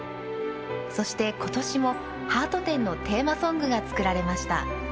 そしてことしも「ハート展」のテーマソングがつくられました。